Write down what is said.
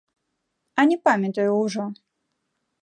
А не памятаю ўжо.